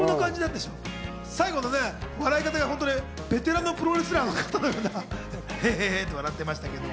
最後の笑い方がベテランのプロレスラーの方のような、ヘヘヘ！って笑ってましたけど。